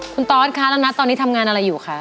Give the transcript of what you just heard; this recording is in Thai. คุณตอสคะแล้วนัทตอนนี้ทำงานอะไรอยู่คะ